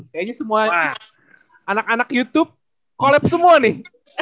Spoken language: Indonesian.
kayaknya semua anak anak youtube collab semua nih